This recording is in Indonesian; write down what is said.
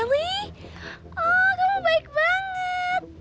oh kamu baik banget